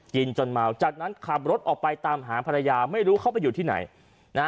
จนเมาจากนั้นขับรถออกไปตามหาภรรยาไม่รู้เขาไปอยู่ที่ไหนนะฮะ